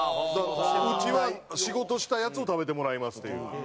うちは仕事したやつを食べてもらいますっていう。